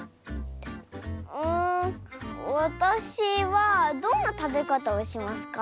んわたしはどんなたべかたをしますか？